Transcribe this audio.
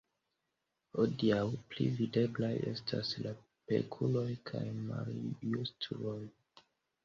Hodiaŭ, pli videblaj estas la pekuloj kaj maljustuloj.